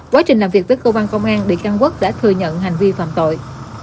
quá trình làm việc với cơ quan công an bị can quốc đã thừa nhận hành vi phạm tội